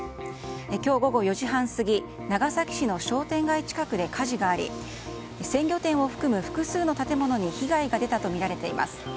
今日午後４時半過ぎ長崎市の商店街近くで火事があり鮮魚店を含む複数の店に被害が出たということです。